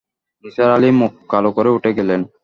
নিসার আলি মুখ কালো করে উঠে গেলেন।